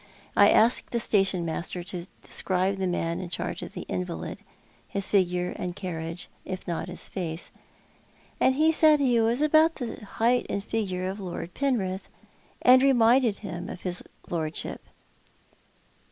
I asked the station master to describe the man in charge of the invalid— his figure and carriage, if not his face— and he said he was about the height and iigure of Lord Penrith, and reminded him of his lordship."